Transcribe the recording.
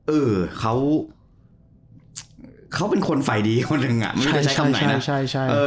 เออเขาเป็นคนฝ่ายดีคนหนึ่งไม่ได้ใช้คำไหนนะ